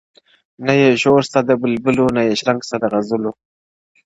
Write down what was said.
• نه یې شور سته د بلبلو نه یې شرنګ سته د غزلو -